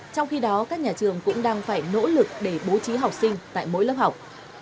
trong khi đó các nhà trường cũng đang phải nỗ lực để bố trí học sinh tại mỗi lớp học